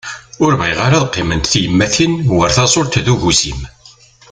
Ur bɣiɣ ara ad qqiment tyemmatin war taẓult d ugusim.